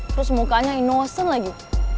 terus mukanya innocent lagi